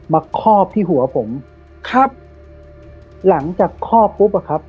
คอบที่หัวผมครับหลังจากคอบปุ๊บอ่ะครับ